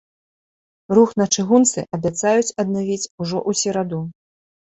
Рух на чыгунцы абяцаюць аднавіць ўжо ў сераду.